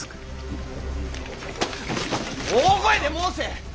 大声で申せ！